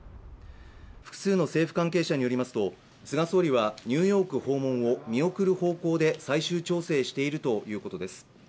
複数の政府関係者によりますと、菅総理はニューヨーク訪問を見送る方向で最終調整しているということです。